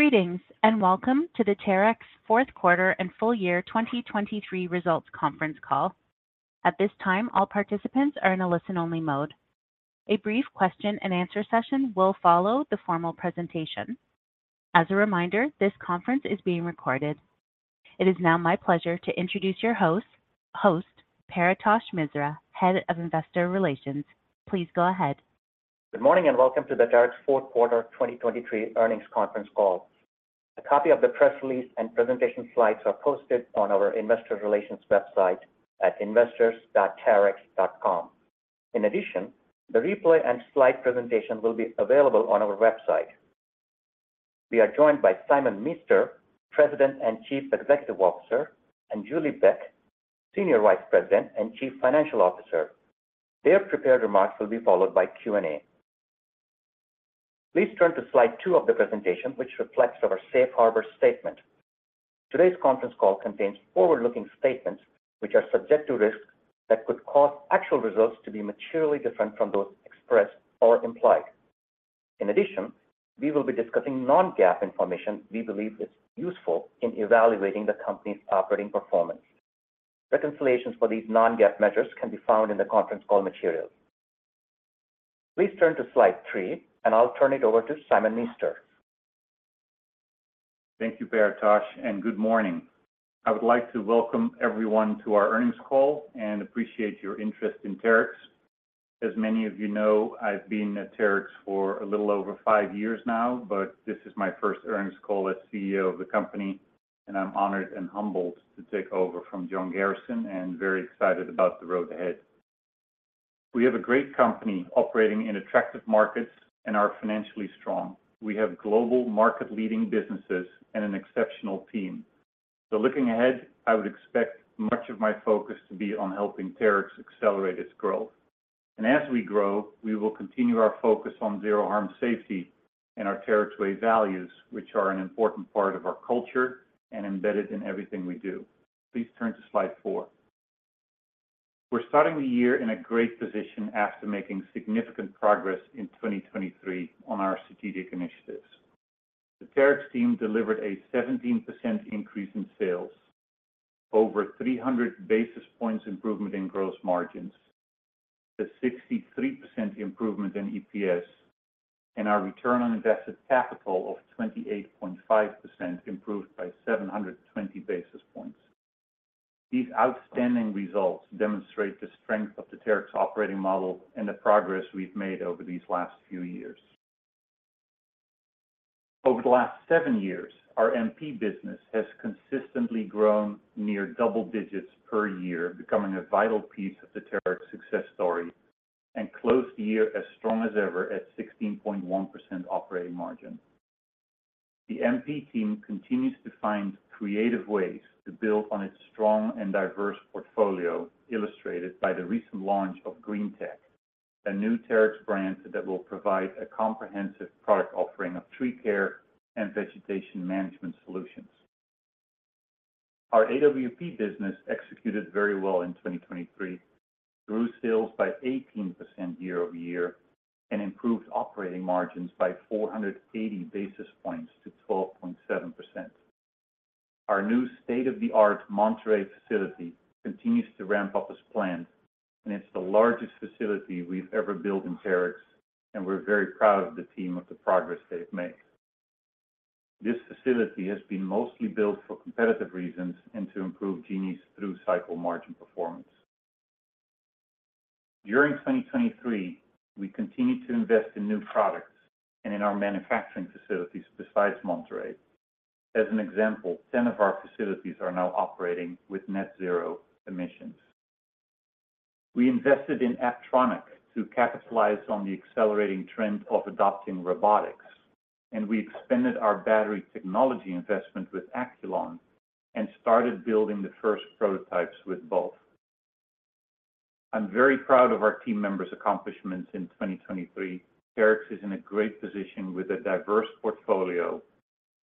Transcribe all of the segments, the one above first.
Greetings, and welcome to the Terex Q4 and FY 2023 Results Conference Call. At this time, all participants are in a listen-only mode. A brief question-and-answer session will follow the formal presentation. As a reminder, this conference is being recorded. It is now my pleasure to introduce your host, Paretosh Misra, Head of Investor Relations. Please go ahead. Good morning, and welcome to the Terex Q4 2023 Earnings Conference Call. A copy of the press release and presentation slides are posted on our investor relations website at investors.terex.com. In addition, the replay and slide presentation will be available on our website. We are joined by Simon Meester, President and Chief Executive Officer, and Julie Beck, Senior Vice President and Chief Financial Officer. Their prepared remarks will be followed by Q&A. Please turn to slide two of the presentation, which reflects our safe harbor statement. Today's conference call contains forward-looking statements, which are subject to risks that could cause actual results to be materially different from those expressed or implied. In addition, we will be discussing non-GAAP information we believe is useful in evaluating the company's operating performance. Reconciliations for these non-GAAP measures can be found in the conference call materials. Please turn to slide three, and I'll turn it over to Simon Meester. Thank you, Paretosh, and good morning. I would like to welcome everyone to our earnings call and appreciate your interest in Terex. As many of you know, I've been at Terex for a little over five years now, but this is my first earnings call as CEO of the company, and I'm honored and humbled to take over from John Garrison and very excited about the road ahead. We have a great company operating in attractive markets and are financially strong. We have global market-leading businesses and an exceptional team. So looking ahead, I would expect much of my focus to be on helping Terex accelerate its growth. And as we grow, we will continue our focus on zero harm safety and our Terex Way Values, which are an important part of our culture and embedded in everything we do. Please turn to slide four. We're starting the year in a great position after making significant progress in 2023 on our strategic initiatives. The Terex team delivered a 17% increase in sales, over 300 basis points improvement in gross margins, a 63% improvement in EPS, and our return on invested capital of 28.5% improved by 720 basis points. These outstanding results demonstrate the strength of the Terex operating model and the progress we've made over these last few years. Over the last 7 years, our MP business has consistently grown near double digits per year, becoming a vital piece of the Terex success story, and closed the year as strong as ever at 16.1% operating margin. The MP team continues to find creative ways to build on its strong and diverse portfolio, illustrated by the recent launch of Green-Tec, a new Terex brand that will provide a comprehensive product offering of tree care and vegetation management solutions. Our AWP business executed very well in 2023, grew sales by 18% year-over-year, and improved operating margins by 480 basis points to 12.7%. Our new state-of-the-art Monterrey facility continues to ramp up as planned, and it's the largest facility we've ever built in Terex, and we're very proud of the team of the progress they've made. This facility has been mostly built for competitive reasons and to improve Genie's through-cycle margin performance. During 2023, we continued to invest in new products and in our manufacturing facilities besides Monterrey. As an example, 10 of our facilities are now operating with net zero emissions. We invested in Apptronik to capitalize on the accelerating trend of adopting robotics, and we expanded our battery technology investment with Acculon and started building the first prototypes with both. I'm very proud of our team members' accomplishments in 2023. Terex is in a great position with a diverse portfolio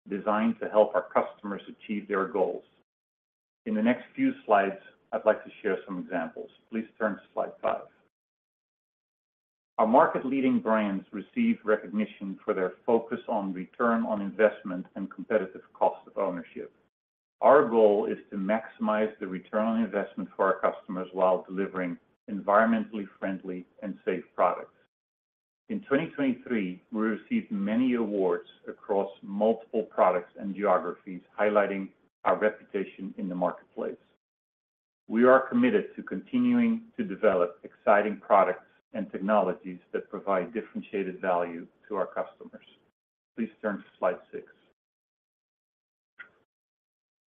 designed to help our customers achieve their goals. In the next few slides, I'd like to share some examples. Please turn to slide 5 five Our market-leading brands receive recognition for their focus on return on investment and competitive cost of ownership. Our goal is to maximize the return on investment for our customers while delivering environmentally friendly and safe products. In 2023, we received many awards across multiple products and geographies, highlighting our reputation in the marketplace. We are committed to continuing to develop exciting products and technologies that provide differentiated value to our customers. Please turn to slide six.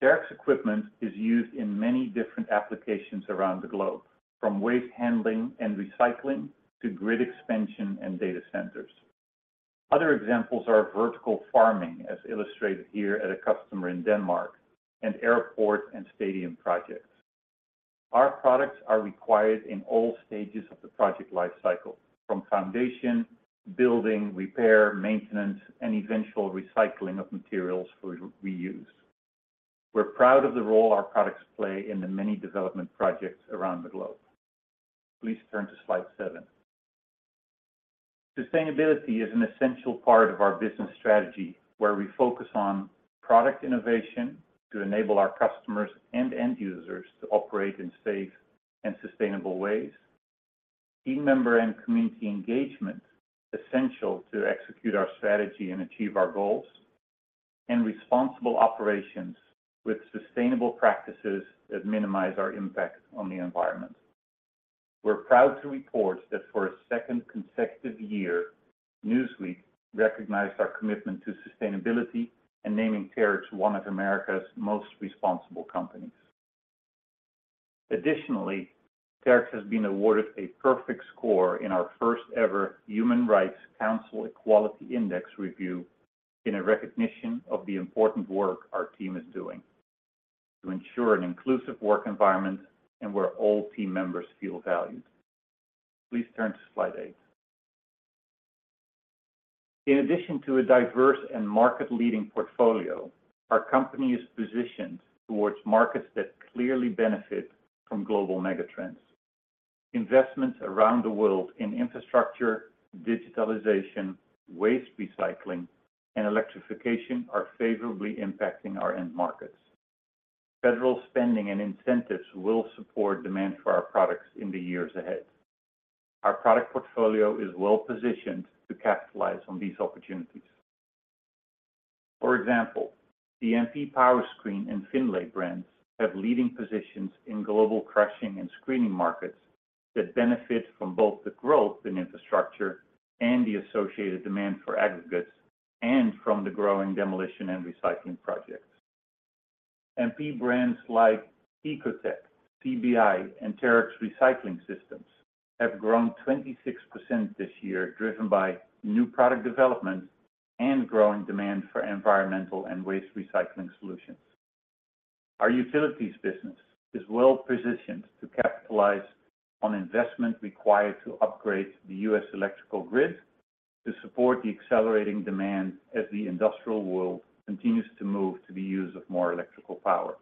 Terex equipment is used in many different applications around the globe, from waste handling and recycling to grid expansion and data centers. Other examples are vertical farming, as illustrated here at a customer in Denmark, and airport and stadium projects. Our products are required in all stages of the project lifecycle, from foundation, building, repair, maintenance, and eventual recycling of materials for reuse. We're proud of the role our products play in the many development projects around the globe. Please turn to slide seven. Sustainability is an essential part of our business strategy, where we focus on product innovation to enable our customers and end users to operate in safe and sustainable ways. Team member and community engagement, essential to execute our strategy and achieve our goals, and responsible operations with sustainable practices that minimize our impact on the environment. We're proud to report that for a second consecutive year, Newsweek recognized our commitment to sustainability in naming Terex one of America's most responsible companies. Additionally, Terex has been awarded a perfect score in our first-ever Human Rights Campaign Corporate Equality Index review as a recognition of the important work our team is doing to ensure an inclusive work environment where all team members feel valued. Please turn to slide eight. In addition to a diverse and market-leading portfolio, our company is positioned towards markets that clearly benefit from global megatrends. Investments around the world in infrastructure, digitalization, waste recycling, and electrification are favorably impacting our end markets. Federal spending and incentives will support demand for our products in the years ahead. Our product portfolio is well positioned to capitalize on these opportunities. For example, the MP Powerscreen and Finlay brands have leading positions in global crushing and screening markets that benefit from both the growth in infrastructure and the associated demand for aggregates, and from the growing demolition and recycling projects. MP brands like Ecotec, CBI, and Terex Recycling Systems have grown 26% this year, driven by new product development and growing demand for environmental and waste recycling solutions. Our utilities business is well positioned to capitalize on investment required to upgrade the U.S. electrical grid to support the accelerating demand as the industrial world continues to move to the use of more electrical power.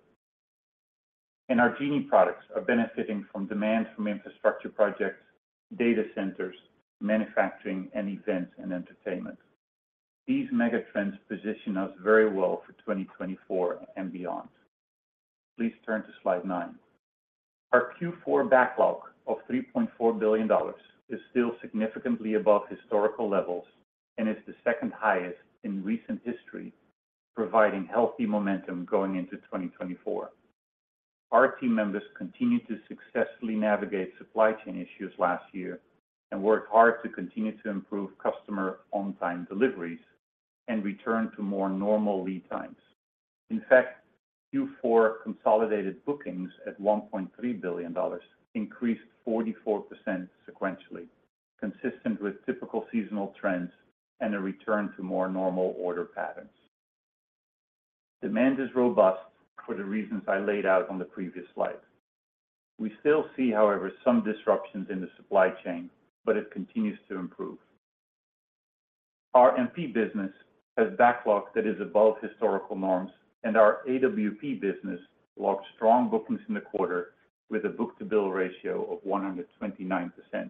And our Genie products are benefiting from demand from infrastructure projects, data centers, manufacturing, and events and entertainment. These megatrends position us very well for 2024 and beyond. Please turn to slide nine. Our Q4 backlog of $3.4 billion is still significantly above historical levels and is the second highest in recent history, providing healthy momentum going into 2024. Our team members continued to successfully navigate supply chain issues last year and worked hard to continue to improve customer on-time deliveries and return to more normal lead times. In fact, Q4 consolidated bookings at $1.3 billion increased 44% sequentially, consistent with typical seasonal trends and a return to more normal order patterns. Demand is robust for the reasons I laid out on the previous slide. We still see, however, some disruptions in the supply chain, but it continues to improve. Our MP business has backlog that is above historical norms, and our AWP business logged strong bookings in the quarter with a book-to-bill ratio of 129%,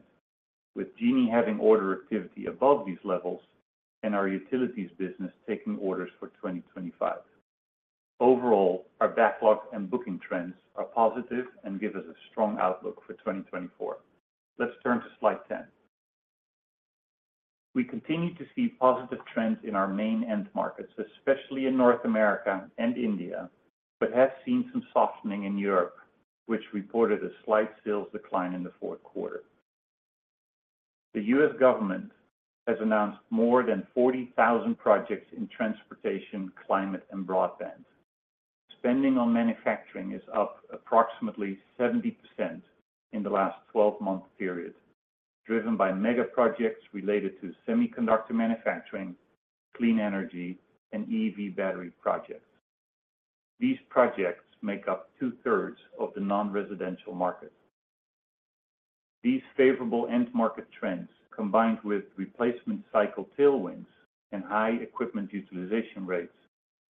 with Genie having order activity above these levels and our utilities business taking orders for 2025. Overall, our backlog and booking trends are positive and give us a strong outlook for 2024. Let's turn to slide 10. We continue to see positive trends in our main end markets, especially in North America and India, but have seen some softening in Europe, which reported a slight sales decline in the fourth quarter. The US government has announced more than 40,000 projects in transportation, climate, and broadband. Spending on manufacturing is up approximately 70% in the last twelve-month period, driven by mega projects related to semiconductor manufacturing, clean energy, and EV battery projects. These projects make up two-thirds of the non-residential market. These favorable end market trends, combined with replacement cycle tailwinds and high equipment utilization rates,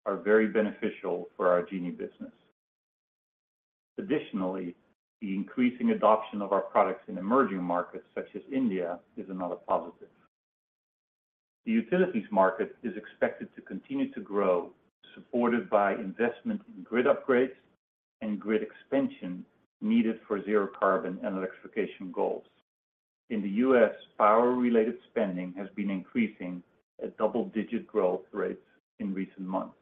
are very beneficial for our Genie business. Additionally, the increasing adoption of our products in emerging markets, such as India, is another positive. The utilities market is expected to continue to grow, supported by investment in grid upgrades and grid expansion needed for zero carbon and electrification goals. In the U.S., power-related spending has been increasing at double-digit growth rates in recent months.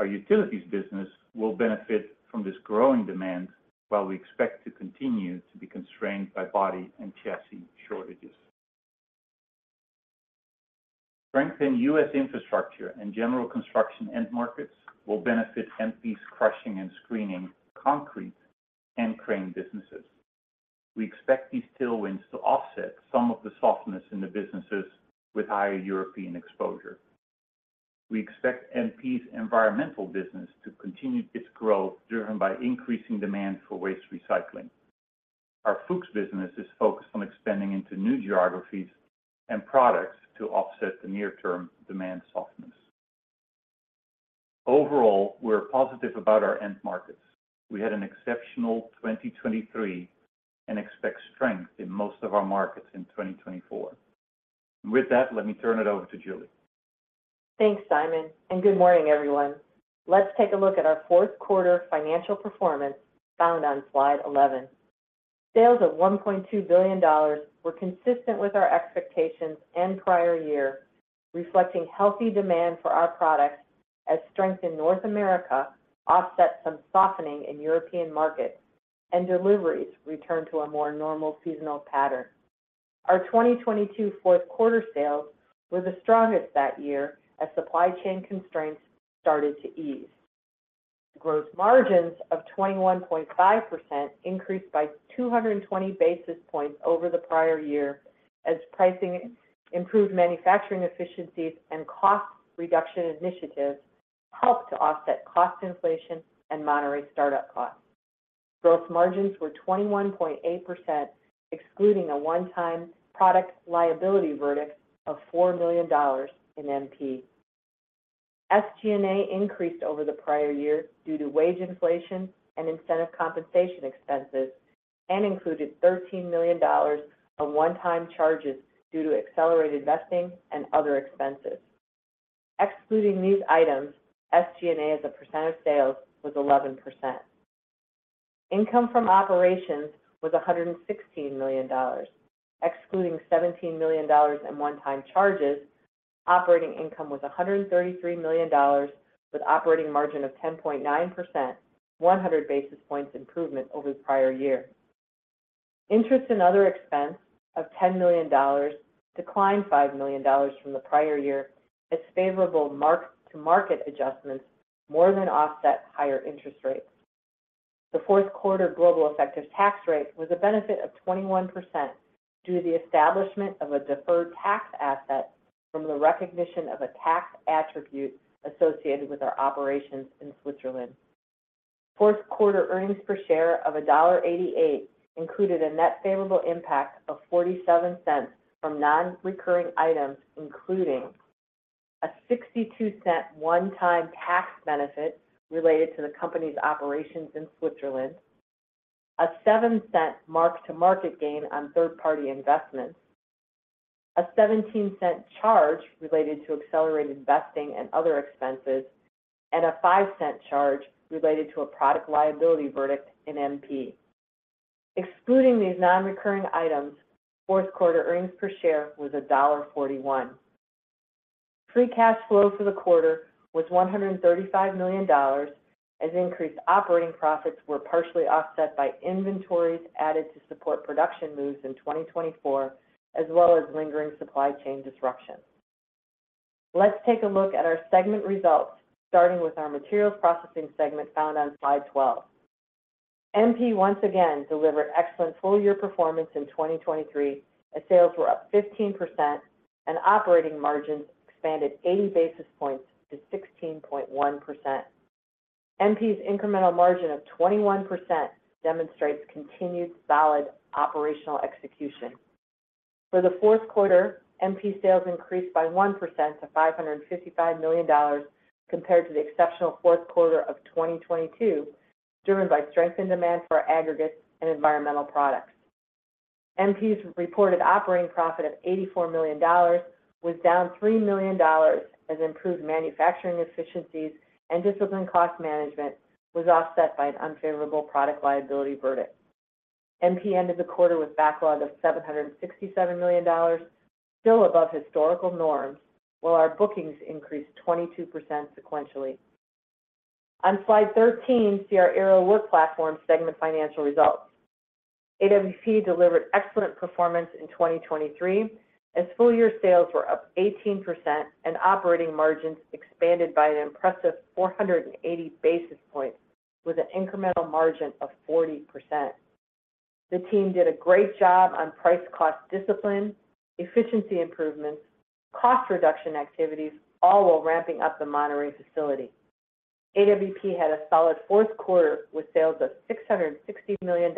Our utilities business will benefit from this growing demand, while we expect to continue to be constrained by body and chassis shortages. Strengthened U.S. infrastructure and general construction end markets will benefit MP's crushing and screening concrete and crane businesses. We expect these tailwinds to offset some of the softness in the businesses with higher European exposure. We expect MP's environmental business to continue its growth, driven by increasing demand for waste recycling. Our Fuchs business is focused on expanding into new geographies and products to offset the near-term demand softness… Overall, we're positive about our end markets. We had an exceptional 2023, and expect strength in most of our markets in 2024. With that, let me turn it over to Julie. Thanks, Simon, and good morning, everyone. Let's take a look at our Q4 financial performance found on Slide 11. Sales of $1.2 billion were consistent with our expectations and prior year, reflecting healthy demand for our products as strength in North America offset some softening in European markets, and deliveries returned to a more normal seasonal pattern. Our 2022 Q4 sales were the strongest that year, as supply chain constraints started to ease. Gross margins of 21.5% increased by 220 basis points over the prior year, as pricing, improved manufacturing efficiencies, and cost reduction initiatives helped to offset cost inflation and Monterrey startup costs. Gross margins were 21.8%, excluding a one-time product liability verdict of $4 million in MP. SG&A increased over the prior year due to wage inflation and incentive compensation expenses, and included $13 million of one-time charges due to accelerated vesting and other expenses. Excluding these items, SG&A as a percent of sales was 11%. Income from operations was $116 million. Excluding $17 million in one-time charges, operating income was $133 million, with operating margin of 10.9%, 100 basis points improvement over the prior year. Interest and other expense of $10 million declined $5 million from the prior year, as favorable mark-to-market adjustments more than offset higher interest rates. The Q4 global effective tax rate was a benefit of 21% due to the establishment of a deferred tax asset from the recognition of a tax attribute associated with our operations in Switzerland. Q4 earnings per share of $1.88 included a net favorable impact of $0.47 from non-recurring items, including: a $0.62 one-time tax benefit related to the company's operations in Switzerland, a $0.07 mark-to-market gain on third-party investments, a $0.17 charge related to accelerated vesting and other expenses, and a $0.05 charge related to a product liability verdict in MP. Excluding these non-recurring items, Q4 earnings per share was $1.41. Free cash flow for the quarter was $135 million, as increased operating profits were partially offset by inventories added to support production moves in 2024, as well as lingering supply chain disruption. Let's take a look at our segment results, starting with our materials processing segment found on Slide 12. MP once again delivered excellent full year performance in 2023, as sales were up 15% and operating margins expanded 80 basis points to 16.1%. MP's incremental margin of 21% demonstrates continued solid operational execution. For the Q4, MP sales increased by 1% to $555 million compared to the exceptional Q4 of 2022, driven by strength in demand for aggregate and environmental products. MP's reported operating profit of $84 million was down $3 million, as improved manufacturing efficiencies and disciplined cost management was offset by an unfavorable product liability verdict. MP ended the quarter with backlog of $767 million, still above historical norms, while our bookings increased 22% sequentially. On Slide 13, see our Aerial Work Platforms segment financial results. AWP delivered excellent performance in 2023, as full year sales were up 18% and operating margins expanded by an impressive 480 basis points with an incremental margin of 40%. The team did a great job on price cost discipline, efficiency improvements, cost reduction activities, all while ramping up the Monterrey facility. AWP had a solid Q4 with sales of $660 million,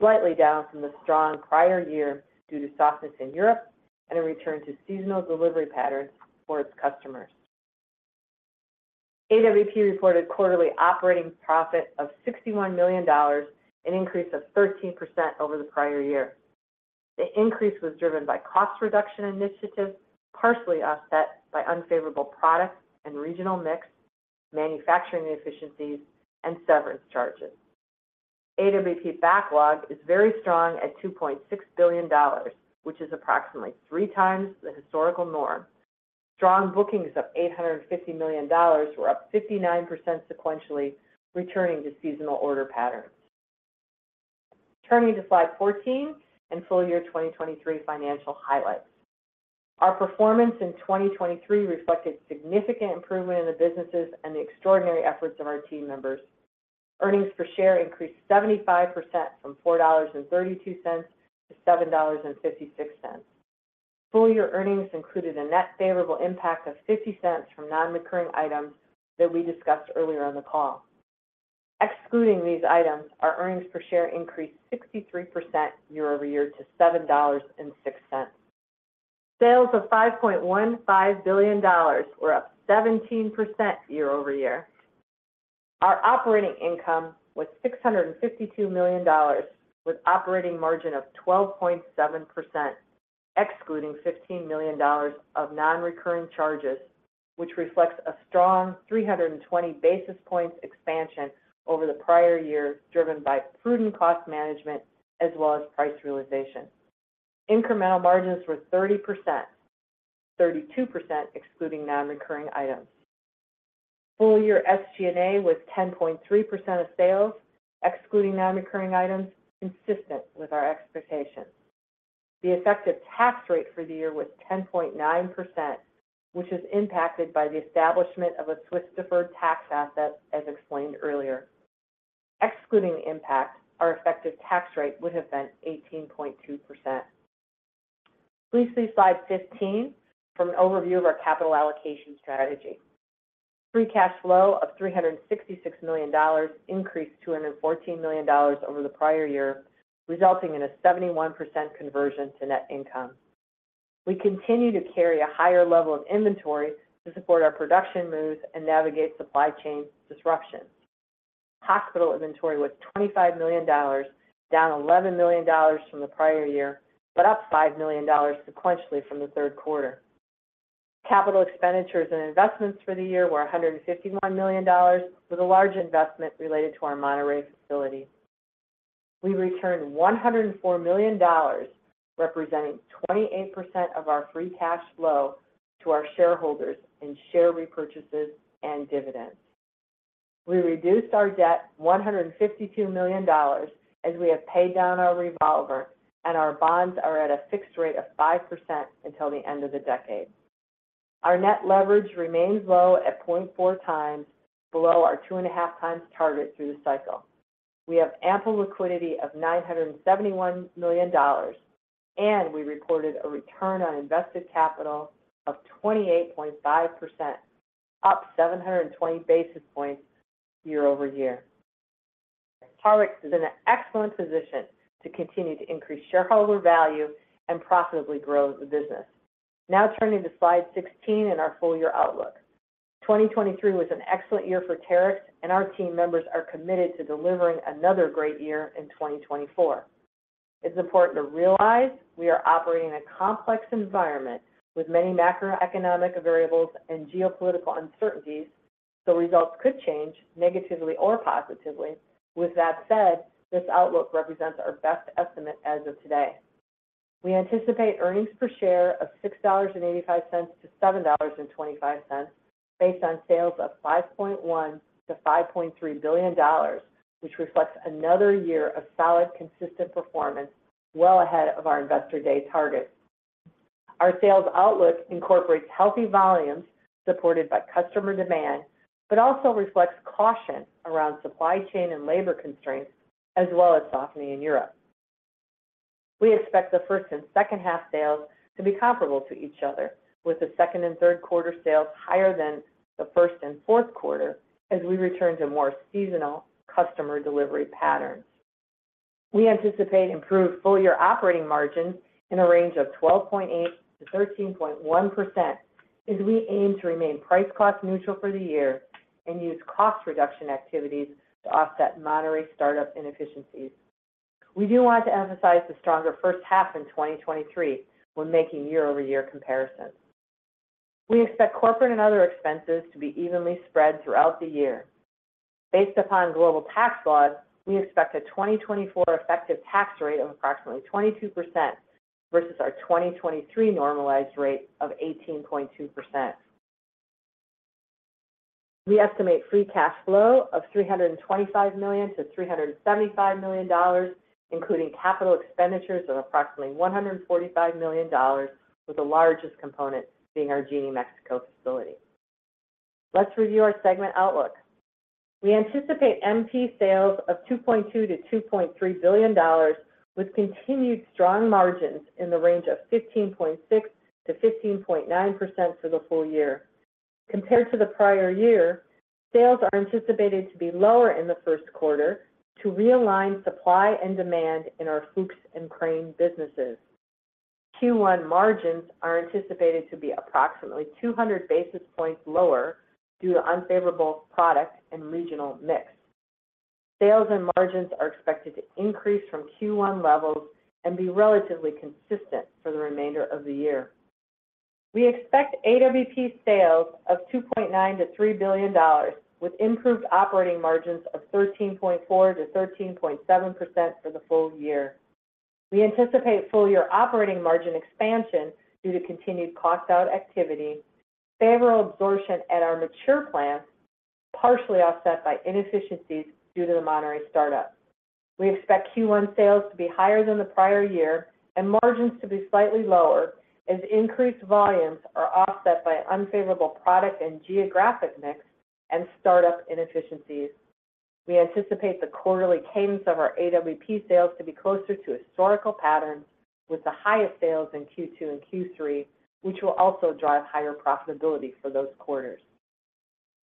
slightly down from the strong prior year due to softness in Europe and a return to seasonal delivery patterns for its customers. AWP reported quarterly operating profit of $61 million, an increase of 13% over the prior year. The increase was driven by cost reduction initiatives, partially offset by unfavorable products and regional mix, manufacturing efficiencies, and severance charges. AWP backlog is very strong at $2.6 billion, which is approximately 3x the historical norm. Strong bookings of $850 million were up 59% sequentially, returning to seasonal order patterns. Turning to Slide 14 and FY 2023 financial highlights. Our performance in 2023 reflected significant improvement in the businesses and the extraordinary efforts of our team members. Earnings per share increased 75% from $4.32 to $7.56. Full year earnings included a net favorable impact of $0.50 from non-recurring items that we discussed earlier on the call. Excluding these items, our earnings per share increased 63% year-over-year to $7.06. Sales of $5.15 billion were up 17% year-over-year. Our operating income was $652 million, with operating margin of 12.7%, excluding $15 million of non-recurring charges, which reflects a strong 320 basis points expansion over the prior year, driven by prudent cost management as well as price realization. Incremental margins were 30%, 32% excluding non-recurring items. Full year SG&A was 10.3% of sales, excluding non-recurring items, consistent with our expectations. The effective tax rate for the year was 10.9%, which is impacted by the establishment of a Swiss deferred tax asset, as explained earlier. Excluding the impact, our effective tax rate would have been 18.2%. Please see Slide 15 for an overview of our capital allocation strategy. Free cash flow of $366 million increased to $214 million over the prior year, resulting in a 71% conversion to net income. We continue to carry a higher level of inventory to support our production moves and navigate supply chain disruptions. Hospital inventory was $25 million, down $11 million from the prior year, but up $5 million sequentially from the third quarter. Capital expenditures and investments for the year were $151 million, with a large investment related to our Monterrey facility. We returned $104 million, representing 28% of our free cash flow to our shareholders in share repurchases and dividends. We reduced our debt $152 million, as we have paid down our revolver, and our bonds are at a fixed rate of 5% until the end of the decade. Our net leverage remains low at 0.4x, below our 2.5x target through the cycle. We have ample liquidity of $971 million, and we reported a return on invested capital of 28.5%, up 720 basis points year-over-year. Terex is in an excellent position to continue to increase shareholder value and profitably grow the business. Now turning to Slide 16 and our full year outlook. 2023 was an excellent year for Terex, and our team members are committed to delivering another great year in 2024. It's important to realize we are operating in a complex environment with many macroeconomic variables and geopolitical uncertainties, so results could change negatively or positively. With that said, this outlook represents our best estimate as of today. We anticipate earnings per share of $6.85-$7.25, based on sales of $5.1 billion-$5.3 billion, which reflects another year of solid, consistent performance well ahead of our Investor Day targets. Our sales outlook incorporates healthy volumes supported by customer demand, but also reflects caution around supply chain and labor constraints, as well as softening in Europe. We expect the first and second half sales to be comparable to each other, with the Q2 and Q3 sales higher than the first and Q4 as we return to more seasonal customer delivery patterns. We anticipate improved full-year operating margins in a range of 12.8%-13.1% as we aim to remain price-cost neutral for the year and use cost reduction activities to offset Monterrey startup inefficiencies. We do want to emphasize the stronger first half in 2023 when making year-over-year comparisons. We expect corporate and other expenses to be evenly spread throughout the year. Based upon global tax laws, we expect a 2024 effective tax rate of approximately 22% versus our 2023 normalized rate of 18.2%. We estimate free cash flow of $325 million-$375 million, including capital expenditures of approximately $145 million, with the largest component being our Genie Mexico facility. Let's review our segment outlook. We anticipate MP sales of $2.2 billion-$2.3 billion, with continued strong margins in the range of 15.6%-15.9% for the full year. Compared to the prior year, sales are anticipated to be lower in the Q1 to realign supply and demand in our Fuchs and crane businesses. Q1 margins are anticipated to be approximately 200 basis points lower due to unfavorable product and regional mix. Sales and margins are expected to increase from Q1 levels and be relatively consistent for the remainder of the year. We expect AWP sales of $2.9 billion-$3 billion, with improved operating margins of 13.4%-13.7% for the full year. We anticipate full year operating margin expansion due to continued cost out activity, favorable absorption at our mature plants, partially offset by inefficiencies due to the Monterrey startup. We expect Q1 sales to be higher than the prior year and margins to be slightly lower as increased volumes are offset by unfavorable product and geographic mix and startup inefficiencies. We anticipate the quarterly cadence of our AWP sales to be closer to historical patterns, with the highest sales in Q2 and Q3, which will also drive higher profitability for those quarters.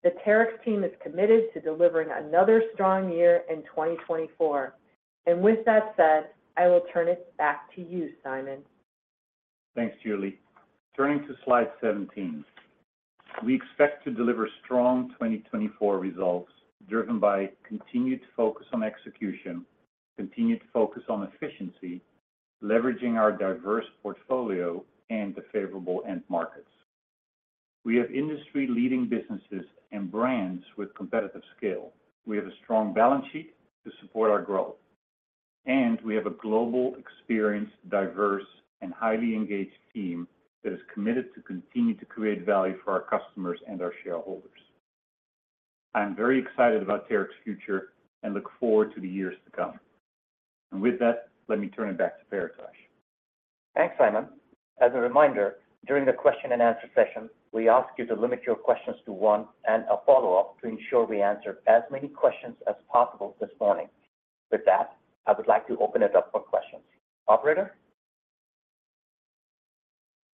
The Terex team is committed to delivering another strong year in 2024. With that said, I will turn it back to you, Simon. Thanks, Julie. Turning to slide 17. We expect to deliver strong 2024 results, driven by continued focus on execution, continued focus on efficiency, leveraging our diverse portfolio and the favorable end markets. We have industry-leading businesses and brands with competitive scale. We have a strong balance sheet to support our growth, and we have a global, experienced, diverse, and highly engaged team that is committed to continue to create value for our customers and our shareholders. I am very excited about Terex's future and look forward to the years to come. With that, let me turn it back to Paretosh. Thanks, Simon. As a reminder, during the question and answer session, we ask you to limit your questions to one and a follow-up to ensure we answer as many questions as possible this morning. With that, I would like to open it up for questions. Operator?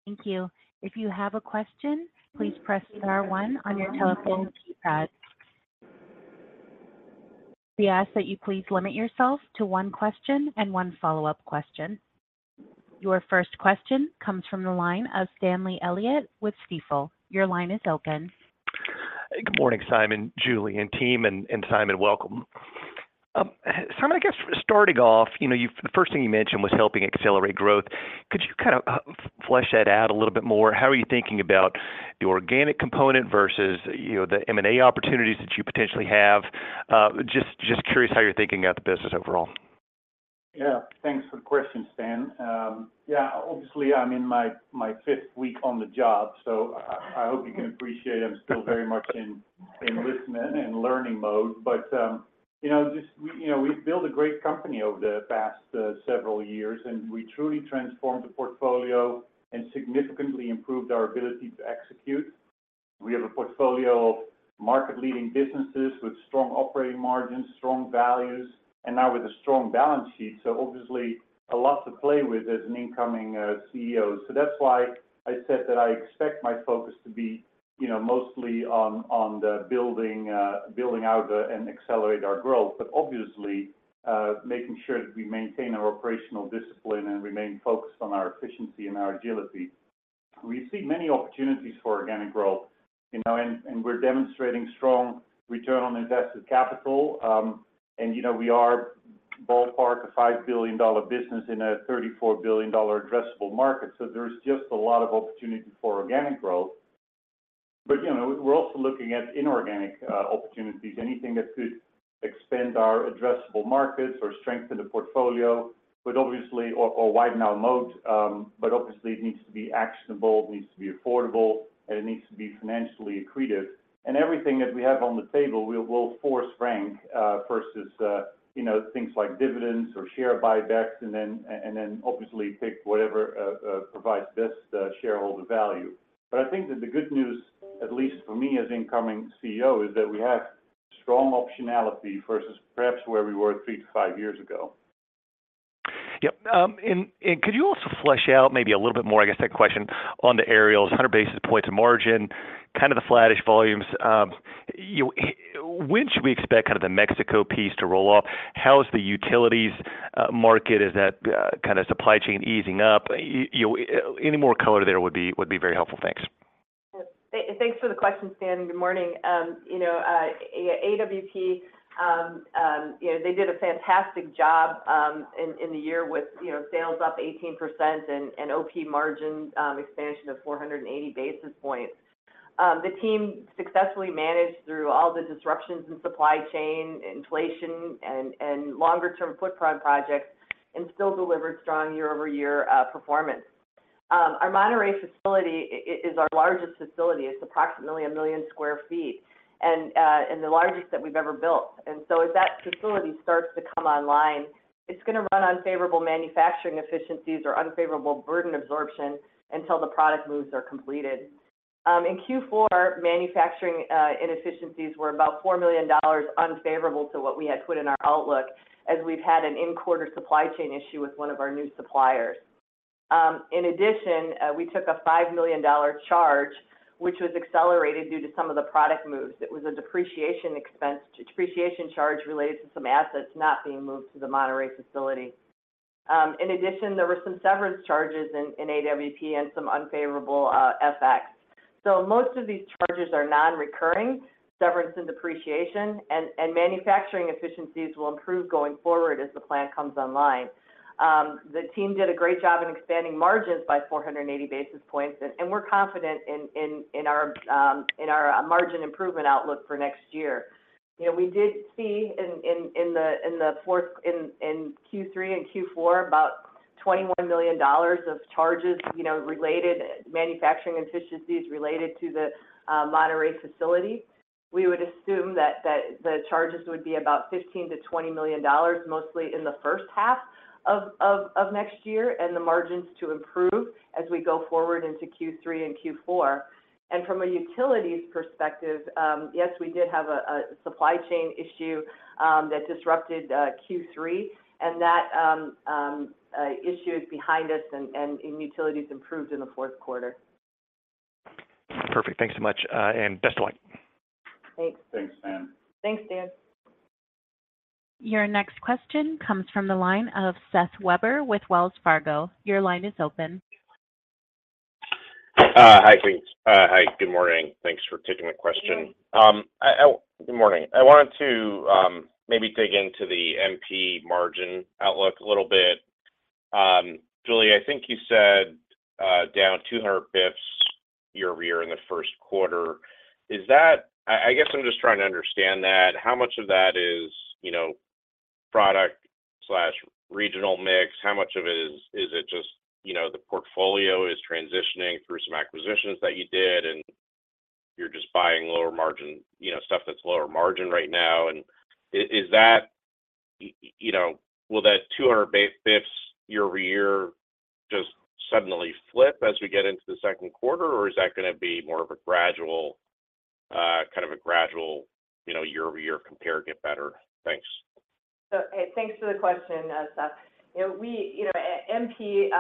Thank you. If you have a question, please press star one on your telephone pad. We ask that you please limit yourself to one question and one follow-up question. Your first question comes from the line of Stanley Elliott with Stifel. Your line is open. Good morning, Simon, Julie, and team, and Simon, welcome. Simon, I guess, starting off, you know, the first thing you mentioned was helping accelerate growth. Could you kind of flesh that out a little bit more? How are you thinking about the organic component versus, you know, the M&A opportunities that you potentially have? Just curious how you're thinking about the business overall. Yeah. Thanks for the question, Stan. Yeah, obviously, I'm in my fifth week on the job, so I hope you can appreciate I'm still very much in listening and learning mode. But, you know, we've built a great company over the past several years, and we truly transformed the portfolio and significantly improved our ability to execute. We have a portfolio of market-leading businesses with strong operating margins, strong values, and now with a strong balance sheet. So obviously, a lot to play with as an incoming CEO. So that's why I said that I expect my focus to be, you know, mostly on building out and accelerate our growth, but obviously, making sure that we maintain our operational discipline and remain focused on our efficiency and our agility. We see many opportunities for organic growth, you know, and we're demonstrating strong return on invested capital. You know, we are ballpark a $5 billion business in a $34 billion addressable market. So there's just a lot of opportunity for organic growth. But, you know, we're also looking at inorganic opportunities, anything that could expand our addressable markets or strengthen the portfolio, but obviously or widen our moat, but obviously, it needs to be actionable, it needs to be affordable, and it needs to be financially accretive. And everything that we have on the table, we will force rank versus, you know, things like dividends or share buybacks, and then obviously pick whatever provides best shareholder value. But I think that the good news, at least for me as incoming CEO, is that we have strong optionality versus perhaps where we were 3-5 years ago. Yep, and could you also flesh out maybe a little bit more, I guess, that question on the Aerials, 100 basis points of margin, kind of the flattish volumes. When should we expect the Mexico piece to roll off? How is the utilities market, is that kind of supply chain easing up? Any more color there would be, would be very helpful. Thanks. Thanks for the question, Stan. Good morning. You know, AWP, you know, they did a fantastic job in the year with sales up 18% and OP margin expansion of 400 basis points. The team successfully managed through all the disruptions in supply chain, inflation, and longer-term footprint projects, and still delivered strong year-over-year performance. Our Monterrey facility is our largest facility. It's approximately 1 million sq ft and the largest that we've ever built. And so as that facility starts to come online, it's going to run unfavorable manufacturing efficiencies or unfavorable burden absorption until the product moves are completed. In Q4, manufacturing inefficiencies were about $4 million unfavorable to what we had put in our outlook, as we've had an in-quarter supply chain issue with one of our new suppliers. In addition, we took a $5 million charge, which was accelerated due to some of the product moves. It was a depreciation expense, depreciation charge related to some assets not being moved to the Monterrey facility. In addition, there were some severance charges in AWP and some unfavorable FX. So most of these charges are non-recurring, severance and depreciation, and manufacturing efficiencies will improve going forward as the plant comes online. The team did a great job in expanding margins by 480 basis points, and we're confident in our margin improvement outlook for next year. You know, we did see in Q3 and Q4 about $21 million of charges, you know, related manufacturing efficiencies related to the Monterrey facility. We would assume that the charges would be about $15 million-$20 million, mostly in the first half of next year, and the margins to improve as we go forward into Q3 and Q4. From a utilities perspective, yes, we did have a supply chain issue that disrupted Q3, and that issue is behind us and in utilities improved in the Q4. Perfect. Thanks so much, and best of luck! Thanks. Thanks, Stan. Thanks, Stan. Your next question comes from the line of Seth Weber with Wells Fargo. Your line is open. Hi, teams. Hi, good morning. Thanks for taking the question. Good morning. Good morning. I wanted to maybe dig into the MP margin outlook a little bit. Julie, I think you said down 200 basis points year-over-year in the Q1. Is that? I guess I'm just trying to understand that. How much of that is, you know, product slash regional mix? How much of it is it just, you know, the portfolio is transitioning through some acquisitions that you did, and you're just buying lower margin, you know, stuff that's lower margin right now? And is that, you know... Will that 200 basis points year-over-year just suddenly flip as we get into the second quarter, or is that gonna be more of a gradual kind of a gradual, you know, year-over-year compare get better? Thanks. So, hey, thanks for the question, Seth. You know, we, you know, MP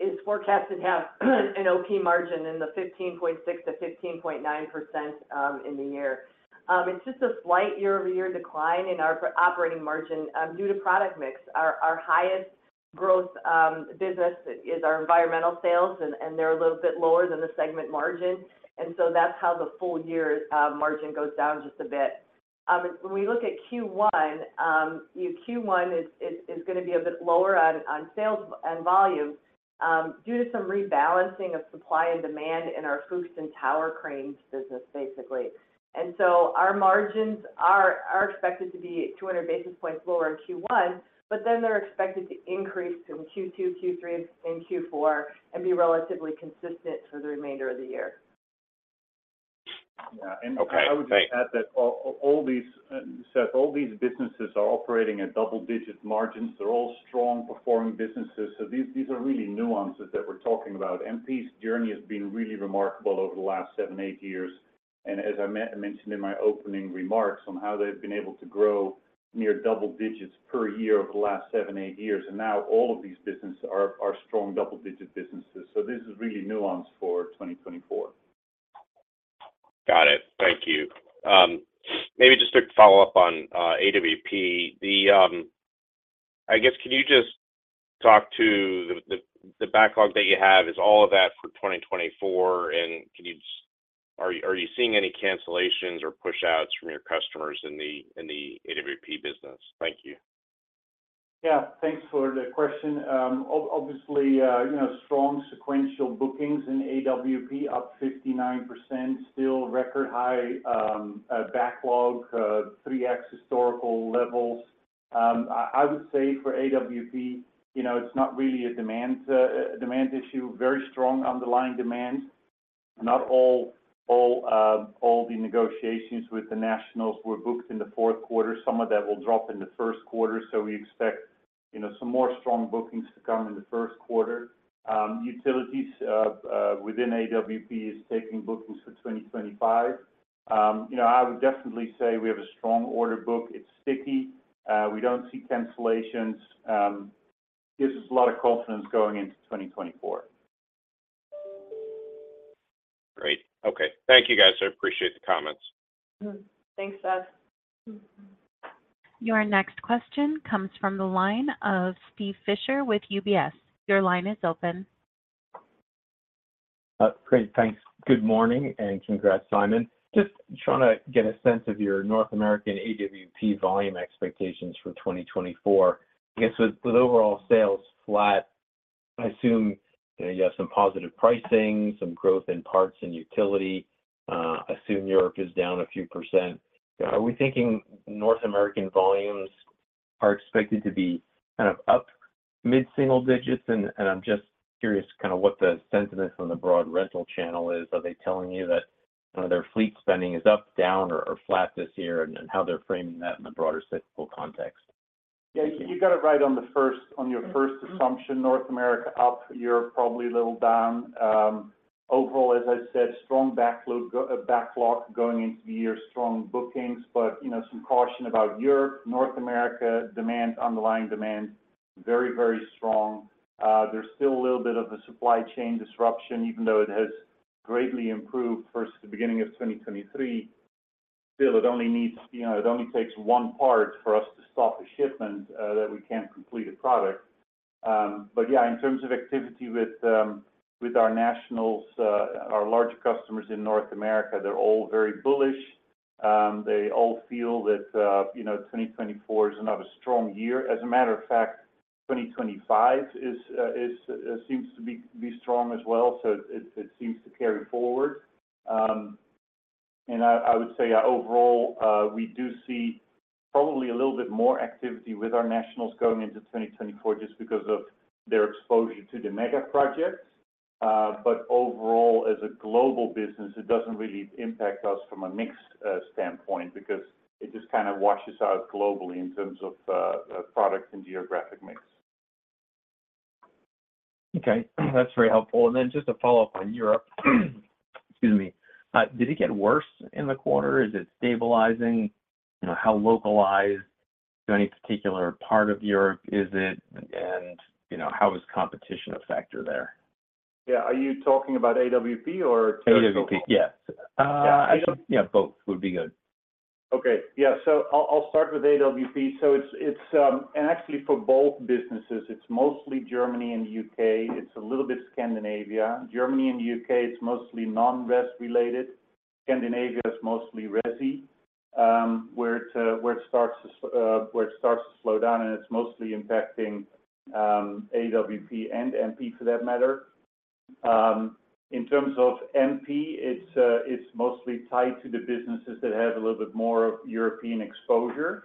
is forecasted to have an OP margin in the 15.6%-15.9% in the year. It's just a slight year-over-year decline in our operating margin due to product mix. Our highest growth business is our environmental sales, and they're a little bit lower than the segment margin, and so that's how the full year margin goes down just a bit. When we look at Q1, Q1 is gonna be a bit lower on sales and volume due to some rebalancing of supply and demand in our hoists and tower cranes business, basically. And so our margins are expected to be 200 basis points lower in Q1, but then they're expected to increase in Q2, Q3, and Q4, and be relatively consistent for the remainder of the year. Yeah. Okay, great. I would just add that all these—Seth, all these businesses are operating at double-digit margins. They're all strong-performing businesses, so these are really nuances that we're talking about. MP's journey has been really remarkable over the last seven, eight years, and as I mentioned in my opening remarks on how they've been able to grow near double digits per year over the last seven, eight years, and now all of these businesses are strong double-digit businesses. So this is really nuanced for 2024. Got it. Thank you. Maybe just to follow up on AWP. I guess, can you just talk to the backlog that you have? Is all of that for 2024, and are you seeing any cancellations or pushouts from your customers in the AWP business? Thank you. Yeah, thanks for the question. Obviously, you know, strong sequential bookings in AWP, up 59%, still record high, backlog 3x historical levels. I would say for AWP, you know, it's not really a demand, a demand issue, very strong underlying demand. Not all, all, all the negotiations with the nationals were booked in the Q4. Some of that will drop in the Q1, so we expect, you know, some more strong bookings to come in the Q1. Utilities within AWP is taking bookings for 2025. You know, I would definitely say we have a strong order book. It's sticky. We don't see cancellations. Gives us a lot of confidence going into 2024. Great. Okay. Thank you, guys. I appreciate the comments. Mm-hmm. Thanks, Seth. Your next question comes from the line of Steve Fisher with UBS. Your line is open. Great, thanks. Good morning, and congrats, Simon. Just trying to get a sense of your North American AWP volume expectations for 2024. I guess with, with overall sales flat, I assume, you know, you have some positive pricing, some growth in parts and utility. I assume Europe is down a few percent. Are we thinking North American volumes are expected to be kind of up mid-single digits? And, and I'm just curious, kind of what the sentiment on the broad rental channel is. Are they telling you that, their fleet spending is up, down, or, or flat this year, and, and how they're framing that in the broader cyclical context? Yeah, you got it right on your first assumption. North America up, Europe probably a little down. Overall, as I said, strong backlog going into the year, strong bookings, but, you know, some caution about Europe. North America, demand, underlying demand, very, very strong. There's still a little bit of a supply chain disruption, even though it has greatly improved versus the beginning of 2023. Still, it only needs, you know, it only takes one part for us to stop a shipment, that we can't complete a product. But yeah, in terms of activity with our national accounts, our larger customers in North America, they're all very bullish. They all feel that, you know, 2024 is another strong year. As a matter of fact, 2025 is, seems to be strong as well, so it seems to carry forward. And I would say, overall, we do see probably a little bit more activity with our nationals going into 2024, just because of their exposure to the mega projects. But overall, as a global business, it doesn't really impact us from a mix standpoint, because it just kind of washes out globally in terms of product and geographic mix. Okay, that's very helpful. And then just a follow-up on Europe. Excuse me. Did it get worse in the quarter? Is it stabilizing? You know, how localized-So any particular part of Europe, is it, and, you know, how is competition a factor there? Yeah. Are you talking about AWP or- AWP, yes. Uh, yeah- Yeah, both would be good. Okay. Yeah, so I'll start with AWP. So it's... And actually for both businesses, it's mostly Germany and the U.K. It's a little bit Scandinavia. Germany and the U.K., it's mostly non-res related. Scandinavia is mostly resi, where it starts to slow down, and it's mostly impacting AWP and MP, for that matter. In terms of MP, it's mostly tied to the businesses that have a little bit more of European exposure.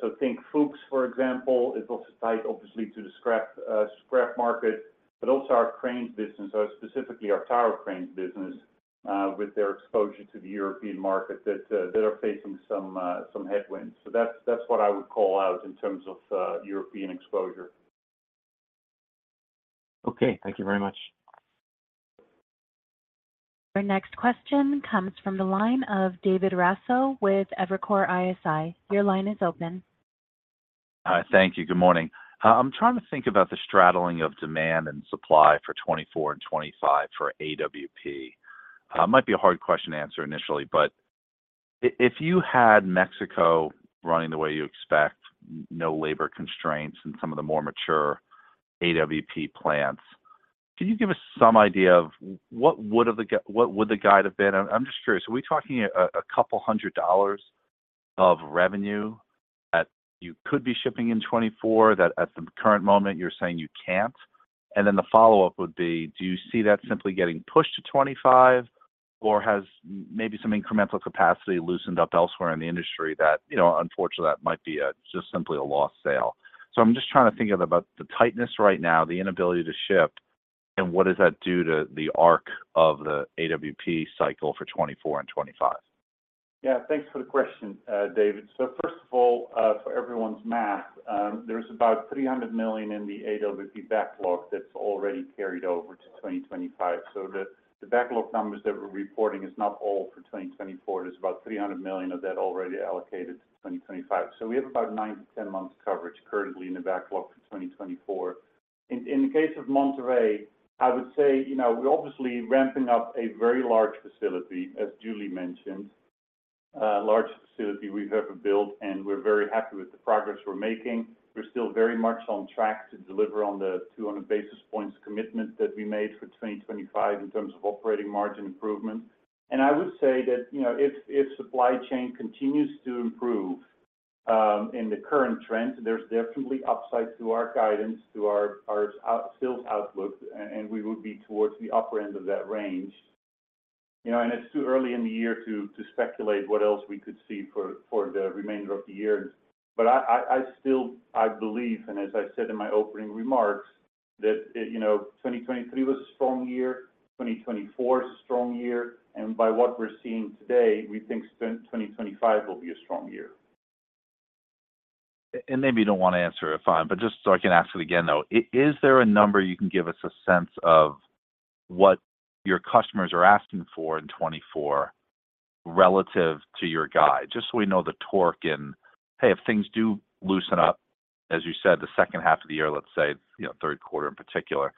So think Fuchs, for example, is also tied, obviously, to the scrap market, but also our cranes business, specifically our tower cranes business, with their exposure to the European market that are facing some headwinds. So that's what I would call out in terms of European exposure. Okay. Thank you very much. Our next question comes from the line of David Raso with Evercore ISI. Your line is open. Thank you. Good morning. I'm trying to think about the straddling of demand and supply for 2024 and 2025 for AWP. It might be a hard question to answer initially, but if you had Mexico running the way you expect, no labor constraints in some of the more mature AWP plants, can you give us some idea of what would the guide have been? I'm just curious. Are we talking a couple hundred dollars of revenue that you could be shipping in 2024, that at the current moment you're saying you can't? And then the follow-up would be: Do you see that simply getting pushed to 2025, or has maybe some incremental capacity loosened up elsewhere in the industry that, you know, unfortunately, that might be just simply a lost sale? I'm just trying to think of about the tightness right now, the inability to ship, and what does that do to the arc of the AWP cycle for 2024 and 2025? Yeah, thanks for the question, David. So first of all, for everyone's math, there's about $300 million in the AWP backlog that's already carried over to 2025. So the backlog numbers that we're reporting is not all for 2024. There's about $300 million of that already allocated to 2025. So we have about 9-10 months coverage currently in the backlog for 2024. In the case of Monterrey, I would say, you know, we're obviously ramping up a very large facility, as Julie mentioned, largest facility we've ever built, and we're very happy with the progress we're making. We're still very much on track to deliver on the 200 basis points commitment that we made for 2025 in terms of operating margin improvement. And I would say that, you know, if supply chain continues to improve in the current trend, there's definitely upside to our guidance, to our sales outlook, and we would be towards the upper end of that range. You know, and it's too early in the year to speculate what else we could see for the remainder of the year. But I still believe, and as I said in my opening remarks, that, you know, 2023 was a strong year, 2024 is a strong year, and by what we're seeing today, we think 2025 will be a strong year. Maybe you don't want to answer it, fine, but just so I can ask it again, though: is there a number you can give us a sense of what your customers are asking for in 2024 relative to your guide? Just so we know the torque in, hey, if things do loosen up, as you said, the second half of the year, let's say, you know, third quarter in particular,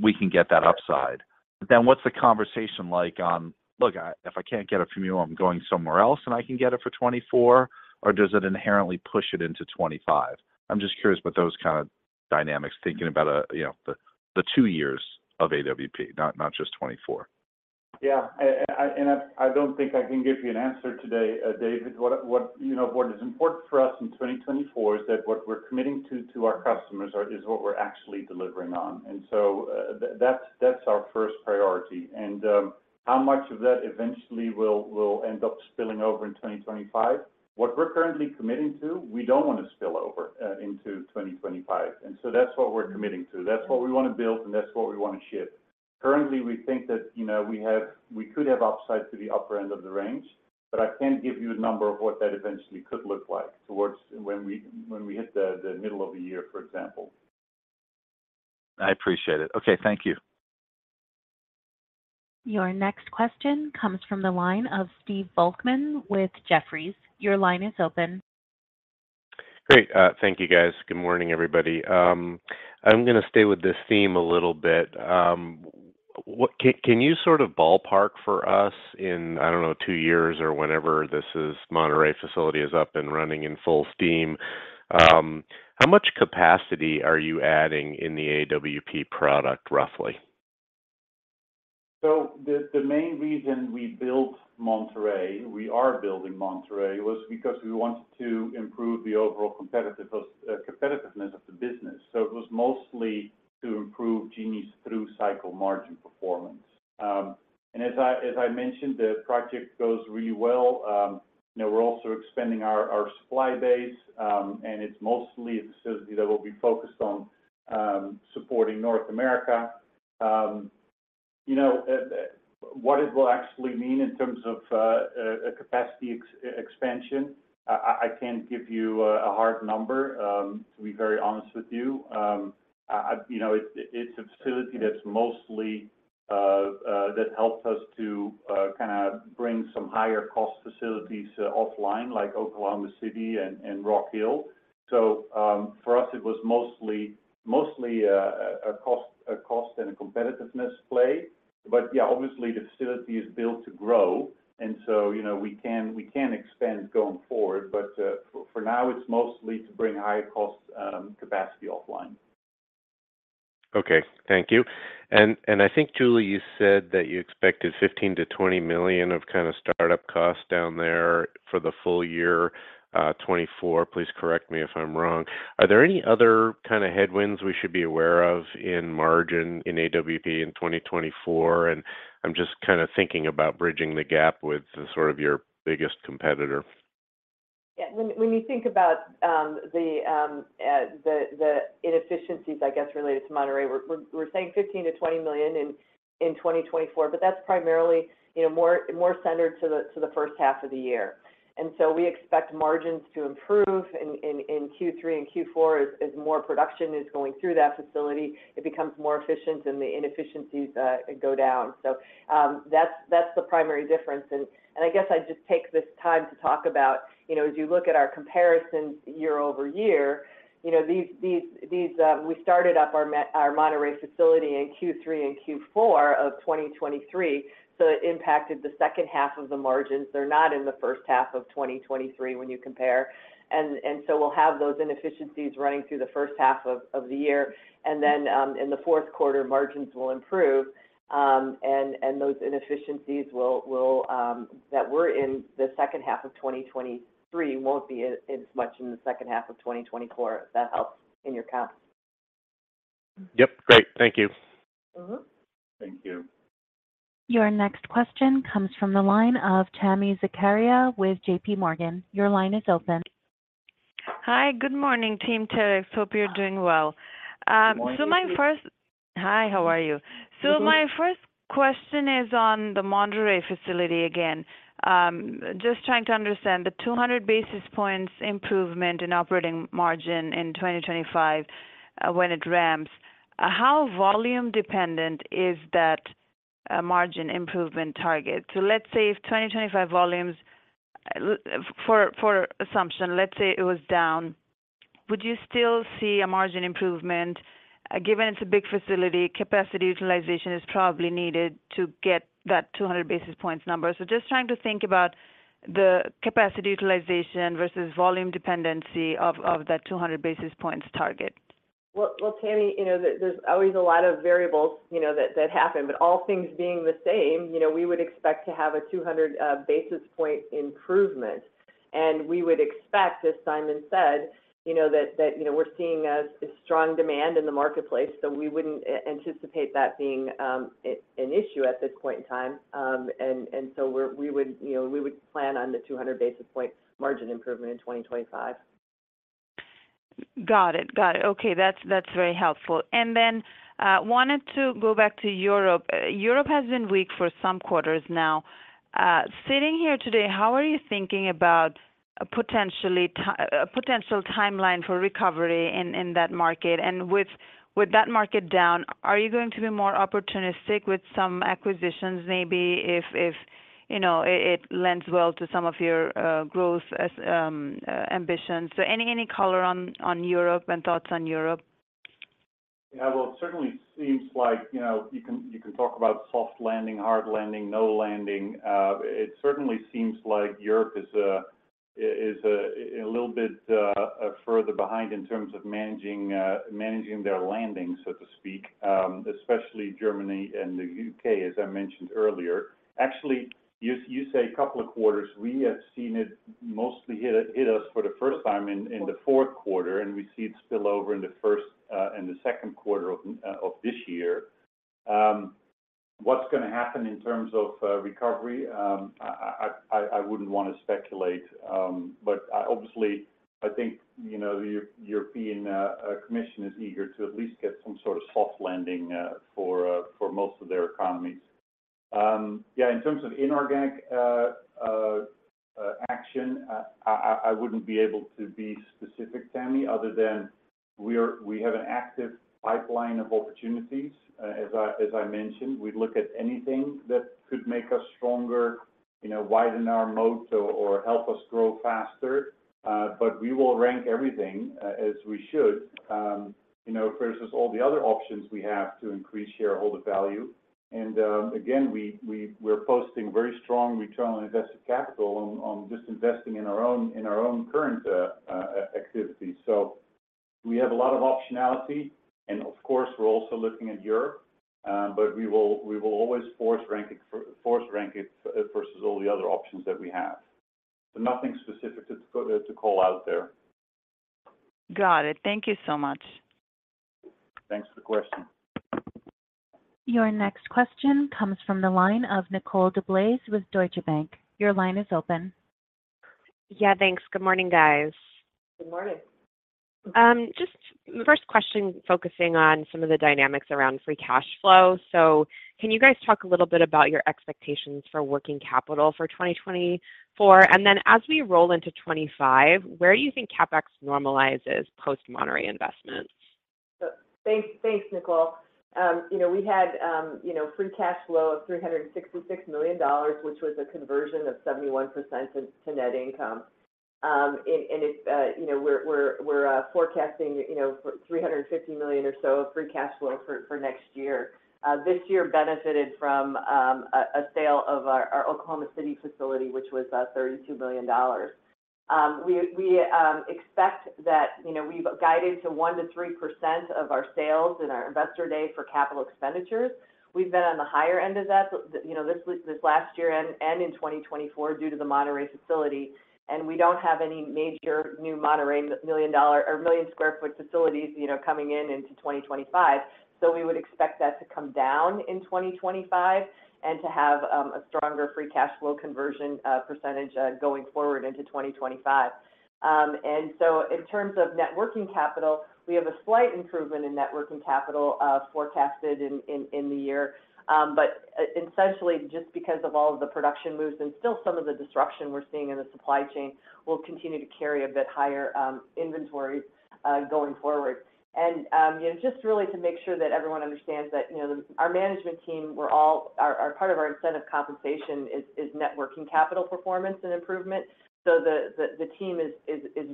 we can get that upside. Then what's the conversation like on, "Look, if I can't get it from you, I'm going somewhere else, and I can get it for 2024," or does it inherently push it into 2025? I'm just curious about those kind of dynamics, thinking about, you know, the two years of AWP, not just 2024. Yeah. And I don't think I can give you an answer today, David. What, you know, what is important for us in 2024 is that what we're committing to our customers is what we're actually delivering on. And so that's our first priority. And how much of that eventually will end up spilling over in 2025? What we're currently committing to, we don't want to spill over into 2025, and so that's what we're committing to. That's what we want to build, and that's what we want to ship. Currently, we think that, you know, we could have upside to the upper end of the range, but I can't give you a number of what that eventually could look like towards when we hit the middle of the year, for example. I appreciate it. Okay, thank you. Your next question comes from the line of Steve Volkmann with Jefferies. Your line is open. Great. Thank you, guys. Good morning, everybody. I'm gonna stay with this theme a little bit. What can you sort of ballpark for us in, I don't know, two years or whenever this is Monterrey facility is up and running in full steam, how much capacity are you adding in the AWP product, roughly? So the main reason we built Monterrey, we are building Monterrey, was because we wanted to improve the overall competitiveness of the business. So it was mostly to improve Genie's through-cycle margin performance. And as I mentioned, the project goes really well. You know, we're also expanding our supply base, and it's mostly a facility that will be focused on supporting North America. You know, what it will actually mean in terms of a capacity expansion, I can't give you a hard number, to be very honest with you. You know, it's a facility that's mostly that helps us to kind of bring some higher cost facilities offline, like Oklahoma City and Rock Hill. So, for us, it was mostly a cost and a competitiveness play. But yeah, obviously, the facility is built to grow, and so, you know, we can expand going forward, but for now, it's mostly to bring higher cost capacity offline. Okay, thank you. And I think, Julie, you said that you expected $15 million-$20 million of kind of startup costs down there for the full year 2024. Please correct me if I'm wrong. Are there any other kind of headwinds we should be aware of in margin in AWP in 2024? And I'm just kind of thinking about bridging the gap with the sort of your biggest competitor. Yeah. When you think about the inefficiencies, I guess, related to Monterrey, we're saying $15 million-$20 million in 2024, but that's primarily, you know, more centered to the first half of the year. And so we expect margins to improve in Q3 and Q4 as more production is going through that facility, it becomes more efficient, and the inefficiencies go down. So, that's the primary difference. And I guess I just take this time to talk about, you know, as you look at our comparisons year-over-year, you know, these we started up our Monterrey facility in Q3 and Q4 of 2023, so it impacted the second half of the margins. They're not in the first half of 2023 when you compare. So we'll have those inefficiencies running through the first half of the year, and then, in the Q4, margins will improve, and those inefficiencies that were in the H2 of 2023 won't be as much in the H2 of 2024, if that helps in your count. Yep. Great. Thank you. Mm-hmm. Thank you. Your next question comes from the line of Tami Zakaria with JPMorgan. Your line is open. Hi, good morning, team Terex. Hope you're doing well. Good morning to you. Hi, how are you? Good. So my first question is on the Monterrey facility again. Just trying to understand the 200 basis points improvement in operating margin in 2025, when it ramps, how volume dependent is that margin improvement target? So let's say if 2025 volumes, for assumption, let's say it was down, would you still see a margin improvement? Given it's a big facility, capacity utilization is probably needed to get that 200 basis points number. So just trying to think about the capacity utilization versus volume dependency of that 200 basis points target. Well, well, Tami, you know, there's always a lot of variables, you know, that that happen, but all things being the same, you know, we would expect to have a 200 basis point improvement, and we would expect, as Simon said, you know, that that you know, we're seeing a strong demand in the marketplace, so we wouldn't anticipate that being an issue at this point in time. And so we would, you know, we would plan on the 200 basis point margin improvement in 2025. Got it. Got it. Okay, that's very helpful. And then wanted to go back to Europe. Europe has been weak for some quarters now. Sitting here today, how are you thinking about a potential timeline for recovery in that market? And with that market down, are you going to be more opportunistic with some acquisitions, maybe if you know it lends well to some of your growth ambitions? So any color on Europe and thoughts on Europe? Yeah, well, it certainly seems like, you know, you can, you can talk about soft landing, hard landing, no landing. It certainly seems like Europe is a little bit further behind in terms of managing their landing, so to speak, especially Germany and the UK, as I mentioned earlier. Actually, you say a couple of quarters. We have seen it mostly hit us for the first time in the fourth quarter, and we see it spill over in the first and the second quarter of this year. What's going to happen in terms of recovery? I wouldn't want to speculate, but obviously, I think, you know, the European Commission is eager to at least get some sort of soft landing for most of their economies. Yeah, in terms of inorganic action, I wouldn't be able to be specific, Tami, other than we have an active pipeline of opportunities. As I mentioned, we'd look at anything that could make us stronger, you know, widen our moat or help us grow faster. But we will rank everything as we should, you know, versus all the other options we have to increase shareholder value. And again, we're posting very strong Return on Invested Capital on just investing in our own current activity. So we have a lot of optionality, and of course, we're also looking at Europe, but we will always force rank it versus all the other options that we have. So nothing specific to call out there. Got it. Thank you so much. Thanks for the question. Your next question comes from the line of Nicole DeBlase with Deutsche Bank. Your line is open.... Yeah, thanks. Good morning, guys. Good morning. Just first question focusing on some of the dynamics around free cash flow. So can you guys talk a little bit about your expectations for working capital for 2024? And then as we roll into 2025, where do you think CapEx normalizes post-Monterrey investments? Thanks, thanks, Nicole. You know, we had free cash flow of $366 million, which was a conversion of 71% to net income. And it's, you know, we're forecasting, you know, $350 million or so of free cash flow for next year. This year benefited from a sale of our Oklahoma City facility, which was $32 million. We expect that, you know, we've guided to 1%-3% of our sales in our investor day for capital expenditures. We've been on the higher end of that, you know, this last year and in 2024, due to the Monterrey facility, and we don't have any major new Monterrey million-dollar or million-square-foot facilities, you know, coming into 2025. So we would expect that to come down in 2025, and to have a stronger free cash flow conversion percentage going forward into 2025. And so in terms of net working capital, we have a slight improvement in net working capital forecasted in the year. But essentially, just because of all of the production moves and still some of the disruption we're seeing in the supply chain, we'll continue to carry a bit higher inventory going forward. And, you know, just really to make sure that everyone understands that, you know, our management team, we're all... Our part of our incentive compensation is net working capital performance and improvement. So the team is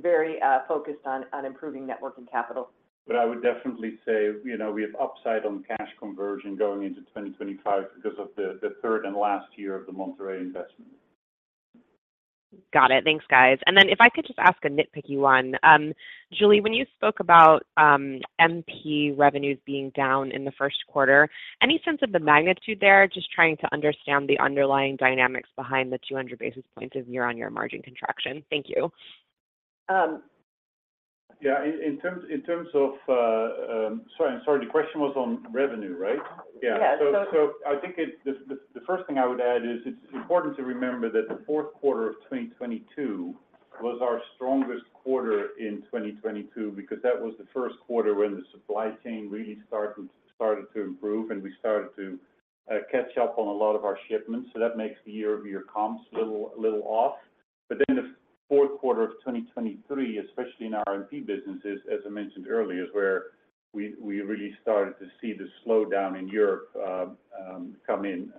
very focused on improving net working capital. I would definitely say, you know, we have upside on cash conversion going into 2025 because of the third and last year of the Monterrey investment. Got it. Thanks, guys. And then if I could just ask a nitpicky one. Julie, when you spoke about, MP revenues being down in the first quarter, any sense of the magnitude there? Just trying to understand the underlying dynamics behind the 200 basis points of year-on-year margin contraction. Thank you. Um. Yeah, in terms of... Sorry, I'm sorry, the question was on revenue, right? Yeah. Yeah. So, I think the first thing I would add is it's important to remember that the Q4 of 2022 was our strongest quarter in 2022, because that was the Q1 when the supply chain really started to improve, and we started to catch up on a lot of our shipments. So that makes the year-over-year comps a little off. But then the Q4 of 2023, especially in our MP businesses, as I mentioned earlier, is where we really started to see the slowdown in Europe come in,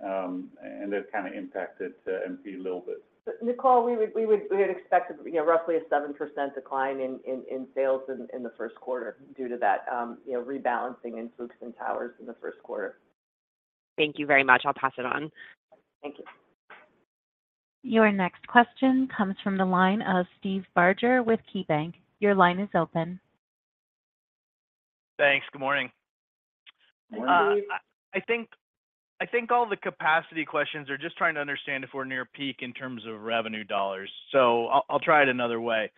and that kind of impacted MP a little bit. Nicole, we would have expected, you know, roughly a 7% decline in sales in the Q1 due to that, you know, rebalancing in hooks and towers in the Q1. Thank you very much. I'll pass it on. Thank you. Your next question comes from the line of Steve Barger with KeyBanc. Your line is open. Thanks. Good morning. Morning. I think all the capacity questions are just trying to understand if we're near peak in terms of revenue dollars. So I'll try it another way.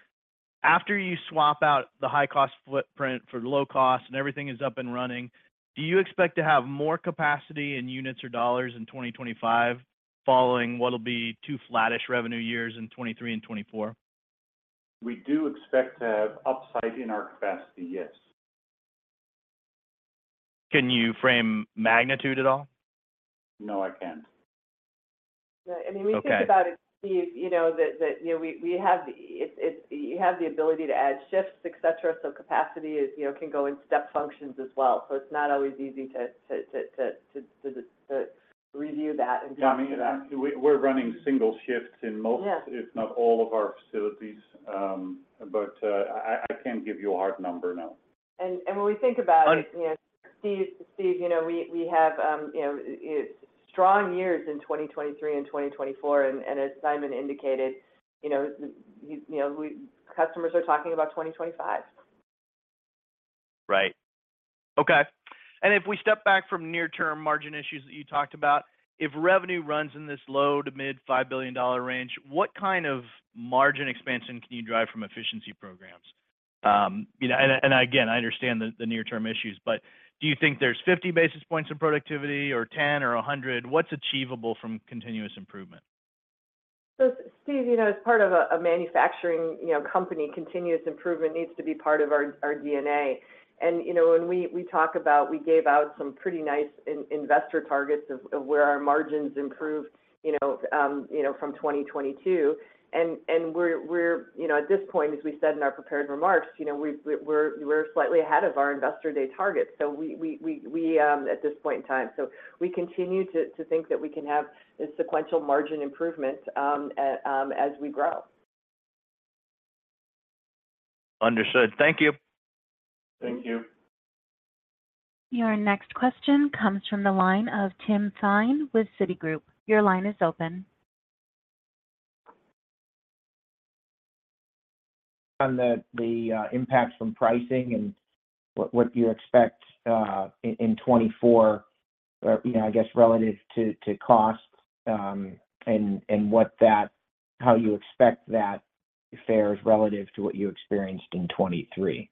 After you swap out the high cost footprint for low cost and everything is up and running, do you expect to have more capacity in units or dollars in 2025, following what will be two flattish revenue years in 2023 and 2024? We do expect to have upside in our capacity, yes. Can you frame magnitude at all? No, I can't. Yeah, I mean- Okay When you think about it, Steve, you know, that you know, we have the. It's you have the ability to add shifts, et cetera, so capacity is, you know, can go in step functions as well. So it's not always easy to review that and- Yeah, I mean, we, we're running single shifts in most- Yeah If not all of our facilities. But I can't give you a hard number, no. And when we think about it- All right... you know, Steve, Steve, you know, we have, you know, it's strong years in 2023 and 2024, and as Simon indicated, you know, he, you know, customers are talking about 2025. Right. Okay. And if we step back from near-term margin issues that you talked about, if revenue runs in this low- to mid-$5 billion range, what kind of margin expansion can you drive from efficiency programs? You know, and again, I understand the near-term issues, but do you think there's 50 basis points of productivity or 10 or 100? What's achievable from continuous improvement? So, Steve, you know, as part of a manufacturing company, continuous improvement needs to be part of our DNA. And, you know, when we talk about, we gave out some pretty nice investor targets of where our margins improved, you know, from 2022. And we're. You know, at this point, as we said in our prepared remarks, you know, we're slightly ahead of our investor day targets. So we, at this point in time, so we continue to think that we can have a sequential margin improvement, as we grow. Understood. Thank you. Thank you. Your next question comes from the line of Tim Thein with Citigroup. Your line is open. On the impacts from pricing and what you expect in 2024, or, you know, I guess relative to cost, and how you expect that fares relative to what you experienced in 2023?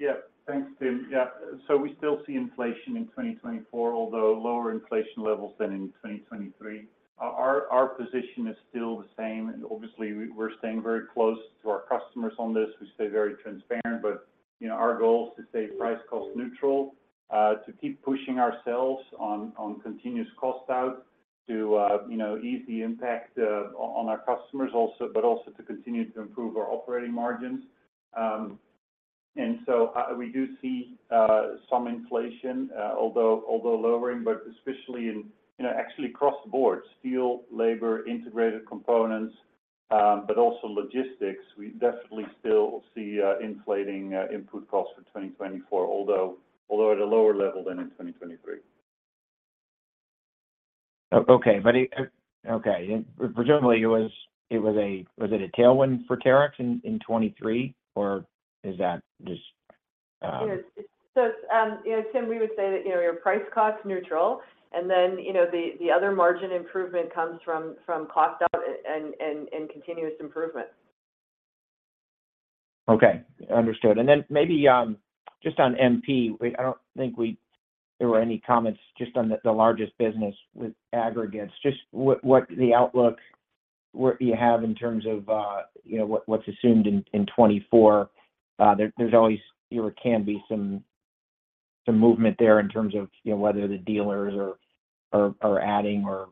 Yeah, thanks, Tim. Yeah, so we still see inflation in 2024, although lower inflation levels than in 2023. Our position is still the same, and obviously, we're staying very close to our customers on this. We stay very transparent, but, you know, our goal is to stay price cost neutral, to keep pushing ourselves on continuous cost out to, you know, ease the impact on our customers also, but also to continue to improve our operating margins. And so, we do see some inflation, although lowering, but especially in, you know, actually across the board: steel, labor, integrated components, but also logistics. We definitely still see inflating input costs for 2024, although at a lower level than in 2023. Okay. But okay. Presumably, it was a tailwind for Terex in 2023, or is that just Yeah. So, you know, Tim, we would say that, you know, your price cost neutral, and then, you know, the other margin improvement comes from cost out and continuous improvement. Okay, understood. And then maybe just on MP, I don't think there were any comments just on the largest business with aggregates. Just what the outlook, what you have in terms of, you know, what's assumed in 2024. There's always, or can be some movement there in terms of, you know, whether the dealers are adding or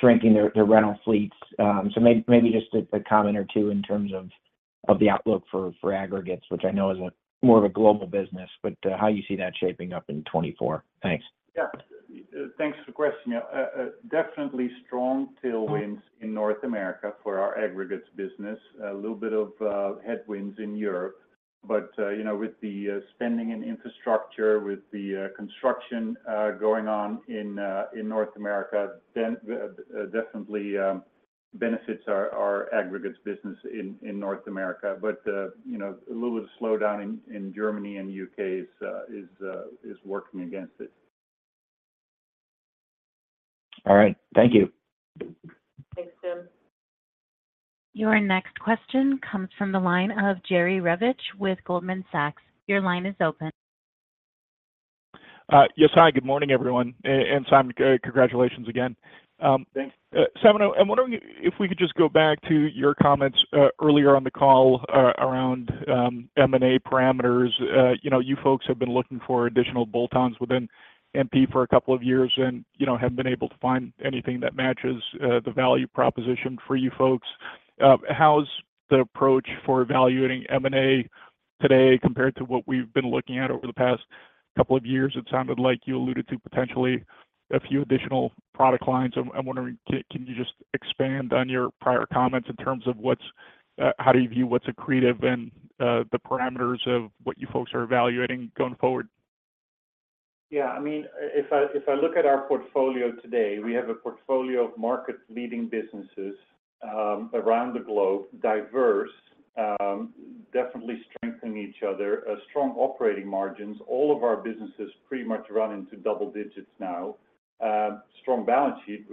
shrinking their rental fleets. So maybe just a comment or two in terms of the outlook for aggregates, which I know is more of a global business, but how you see that shaping up in 2024? Thanks. Yeah. Thanks for the question. Yeah, definitely strong tailwinds in North America for our aggregates business. A little bit of headwinds in Europe, but you know, with the spending and infrastructure, with the construction going on in North America, then definitely benefits our aggregates business in North America. But you know, a little bit of slowdown in Germany and the U.K. is working against it. All right. Thank you. Thanks, Tim. Your next question comes from the line of Jerry Revich with Goldman Sachs. Your line is open. Yes. Hi, good morning, everyone. And Simon, congratulations again. Thanks. Simon, I'm wondering if we could just go back to your comments earlier on the call around M&A parameters. You know, you folks have been looking for additional bolt-ons within MP for a couple of years and, you know, haven't been able to find anything that matches the value proposition for you folks. How's the approach for evaluating M&A today compared to what we've been looking at over the past couple of years? It sounded like you alluded to potentially a few additional product lines. I'm wondering, can you just expand on your prior comments in terms of what's – how do you view what's accretive and the parameters of what you folks are evaluating going forward? Yeah, I mean, if I look at our portfolio today, we have a portfolio of market-leading businesses around the globe, diverse, definitely strengthening each other, a strong operating margins. All of our businesses pretty much run into double digits now. Strong balance sheet,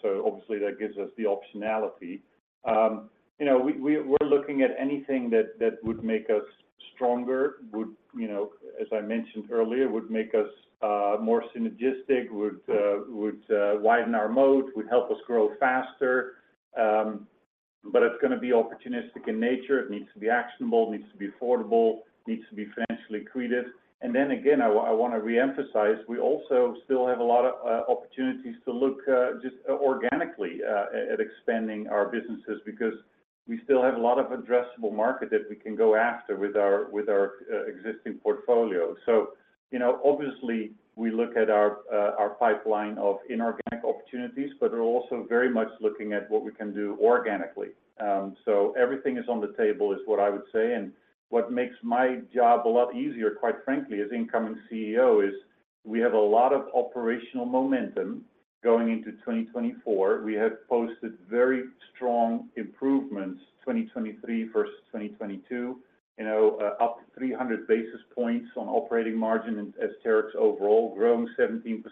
so obviously that gives us the optionality. You know, we're looking at anything that would make us stronger, would, you know, as I mentioned earlier, would make us more synergistic, would widen our moat, would help us grow faster. But it's going to be opportunistic in nature. It needs to be actionable, it needs to be affordable, needs to be financially accretive. And then again, I want to reemphasize, we also still have a lot of opportunities to look just organically at expanding our businesses, because we still have a lot of addressable market that we can go after with our existing portfolio. So, you know, obviously, we look at our pipeline of inorganic opportunities, but we're also very much looking at what we can do organically. So everything is on the table, is what I would say. And what makes my job a lot easier, quite frankly, as incoming CEO, is we have a lot of operational momentum going into 2024. We have posted very strong improvements, 2023 versus 2022, you know, up to 300 basis points on operating margin as Terex overall, growing 17%.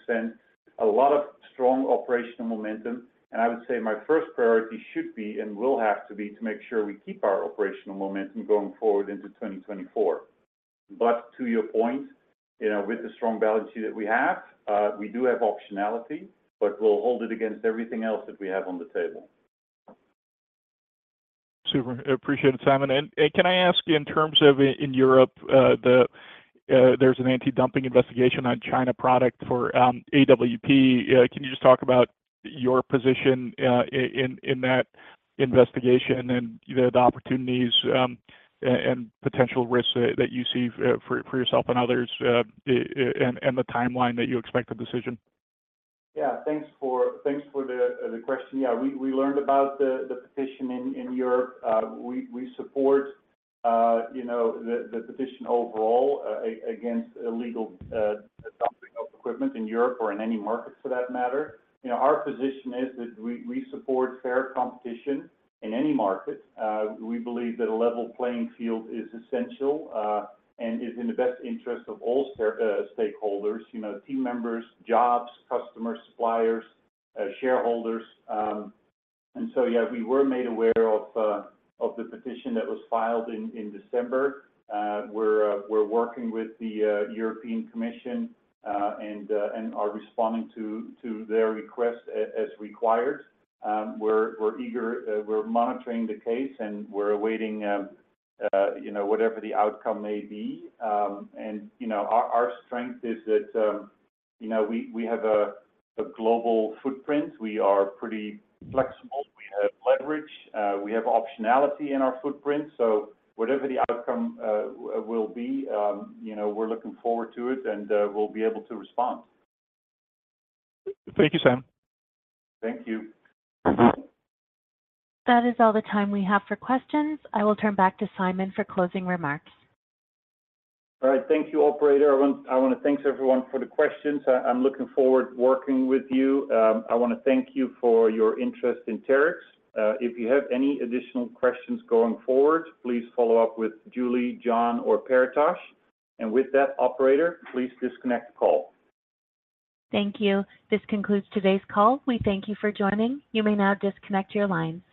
A lot of strong operational momentum, and I would say my first priority should be and will have to be to make sure we keep our operational momentum going forward into 2024. But to your point, you know, with the strong balance sheet that we have, we do have optionality, but we'll hold it against everything else that we have on the table. Super. Appreciate it, Simon. And can I ask you, in terms of in Europe, there's an anti-dumping investigation on China product for AWP. Can you just talk about your position in that investigation and the opportunities and potential risks that you see for yourself and others and the timeline that you expect the decision? Yeah. Thanks for the question. Yeah, we learned about the petition in Europe. We support, you know, the petition overall against illegal dumping of equipment in Europe or in any market for that matter. You know, our position is that we support fair competition in any market. We believe that a level playing field is essential and is in the best interest of all stakeholders, you know, team members, jobs, customers, suppliers, shareholders. And so, yeah, we were made aware of the petition that was filed in December. We're working with the European Commission and are responding to their request as required. We're eager. We're monitoring the case, and we're awaiting, you know, whatever the outcome may be. And, you know, our strength is that, you know, we have a global footprint. We are pretty flexible. We have leverage. We have optionality in our footprint, so whatever the outcome will be, you know, we're looking forward to it, and we'll be able to respond. Thank you, Sam. Thank you. That is all the time we have for questions. I will turn back to Simon for closing remarks. All right. Thank you, operator. I want to thank everyone for the questions. I'm looking forward working with you. I want to thank you for your interest in Terex. If you have any additional questions going forward, please follow up with Julie, John, or Paretosh. With that, operator, please disconnect the call. Thank you. This concludes today's call. We thank you for joining. You may now disconnect your lines.